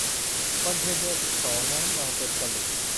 วันเพ็ญเดือนสิบสอง น้ำนองเต็มตลิ่ง